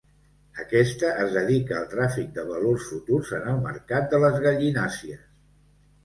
Aquesta es dedica al tràfic de valors futurs en el mercat de les gallinàcies.